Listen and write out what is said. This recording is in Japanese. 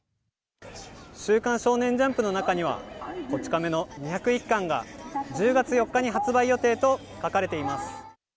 週刊少年ジャンプの中には、こち亀の２０１巻が１０月４日に発売予定と書かれています。